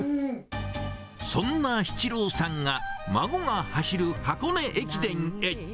そんな七郎さんが、孫が走る箱根駅伝へ。